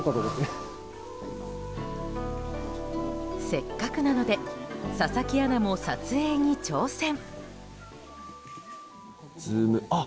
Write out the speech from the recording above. せっかくなので佐々木アナも撮影に挑戦。